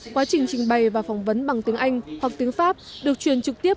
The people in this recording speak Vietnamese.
quá trình trình bày và phỏng vấn bằng tiếng anh hoặc tiếng pháp được truyền trực tiếp